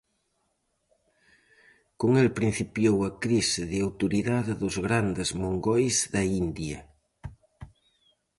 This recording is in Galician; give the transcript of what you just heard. Con el principiou a crise de autoridade dos grandes mongois da India.